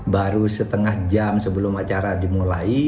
baru setengah jam sebelum acara dimulai